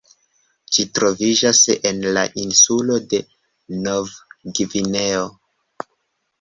Ĝi troviĝas en la insulo de Novgvineo.